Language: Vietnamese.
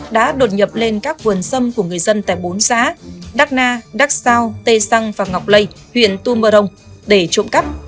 đã đột nhập lên các quần sâm của người dân tại bốn xá đắc na đắc sao tê săng và ngọc lây huyện tu mơ rông để trộm cắp